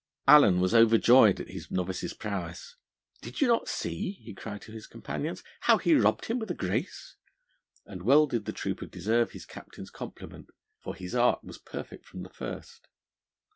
Allen was overjoyed at his novice's prowess. 'Did you not see,' he cried to his companions, 'how he robbed him with a grace?' And well did the trooper deserve his captain's compliment, for his art was perfect from the first.